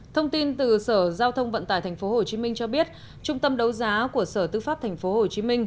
thông tin từ sở giao thông vận tải tp hcm cho biết trung tâm đấu giá của sở tư pháp tp hcm